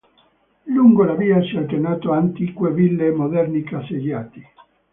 Lungo la via si alternano antiche ville e moderni caseggiati.